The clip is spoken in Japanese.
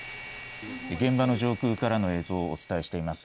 現場の上空からの映像をお伝えしています。